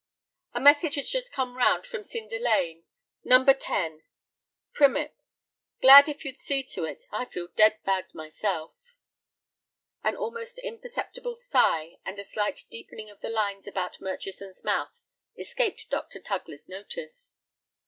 "A message has just come round from Cinder Lane, No. 10. Primip. Glad if you'd see to it. I feel dead fagged myself." An almost imperceptible sigh and a slight deepening of the lines about Murchison's mouth escaped Dr. Tugler's notice.